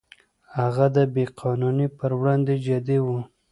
هغه د بې قانونۍ پر وړاندې جدي و.